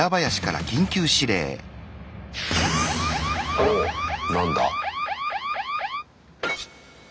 おっ何だ？